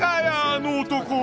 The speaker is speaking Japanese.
あの男。